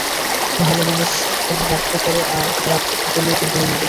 ভালো মানুষের রক্ষা করে, আর খারাপগুলো ডুবিয়ে মারে।